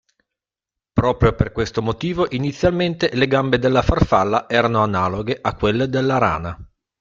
Proprio per questo motivo inizialmente le gambe della farfalla erano analoghe a quelle della rana.